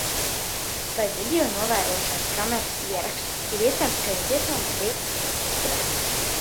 Vai videonovērošanas kameras ierakstu ir iespējams skatīties no mobilā telefona?